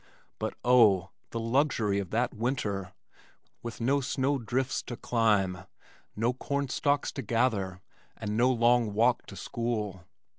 But oh! the luxury of that winter, with no snow drifts to climb, no corn stalks to gather and no long walk to school.